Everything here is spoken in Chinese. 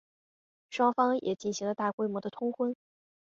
双方也进行了大规模的通婚。